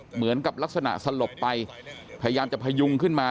เหมือนกับลักษณะสลบไปพยายามจะพยุงขึ้นมา